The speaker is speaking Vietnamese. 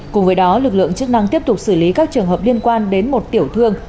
cùng với đó lực lượng chức năng tiếp tục xử lý các trường hợp liên quan đến một tiểu thương